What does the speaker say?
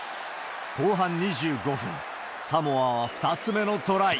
後半２５分、サモアは２つ目のトライ。